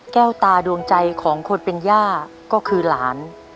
แก้วตาดวงใจของคนเป็นย่าก็คือหลาน